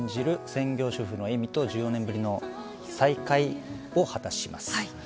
専業主婦の絵美と１４年ぶりの再会を果たします。